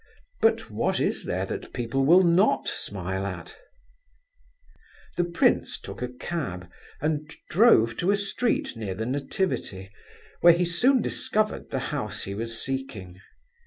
But what is there that people will not smile at? The prince took a cab and drove to a street near the Nativity, where he soon discovered the house he was seeking.